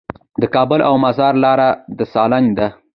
د کابل او مزار لاره د سالنګ ده